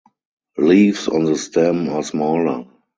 Leaves on the stem are smaller.